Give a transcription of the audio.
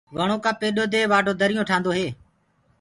وڻو ڪآ پيڏو دي وآڍو دريونٚ ٺآندو هيٚ۔